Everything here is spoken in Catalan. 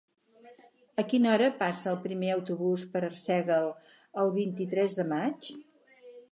A quina hora passa el primer autobús per Arsèguel el vint-i-tres de maig?